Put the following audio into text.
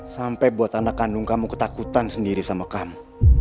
sampai buat anak kandung kamu ketakutan sendiri sama kamu